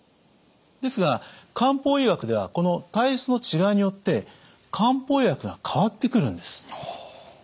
ですが漢方医学ではこの体質の違いによって漢方薬が変わってくるんです。